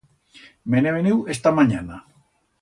Me'n he veniu esta manyana.